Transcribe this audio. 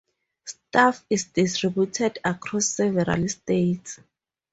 Staff is distributed across several states.